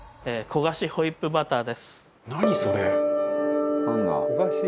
「焦がしホイップバター？」